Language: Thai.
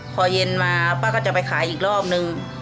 พอเย็นมาป้าก็จะไปขายอีกรอบนึง